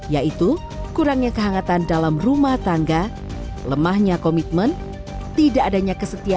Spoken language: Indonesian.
yaitu kurangnya kehangatan dalam rumah tangga lemahnya komitmen tidak adanya kesetiaan